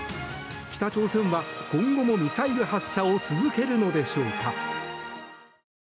北朝鮮は今後もミサイル発射を続けるのでしょうか。